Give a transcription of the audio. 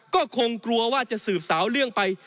ก็คงกลัวว่าจะสืบสาวเรื่องไป